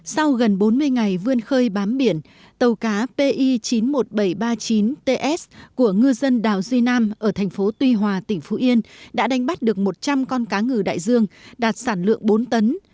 sau gần bốn mươi ngày vươn khơi bám biển tàu cá pi chín mươi một nghìn bảy trăm ba mươi chín ts của ngư dân đảo duy nam ở thành phố tuy hòa tỉnh phú yên đã đánh bắt được một trăm linh con cá ngừ đại dương đạt sản lượng bốn tấn